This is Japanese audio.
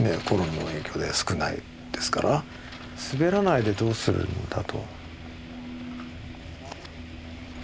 コロナの影響で少ないですから滑らないでどうするんだと。